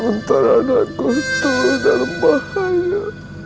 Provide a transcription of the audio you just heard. sebentar anakku itu dalam bahaya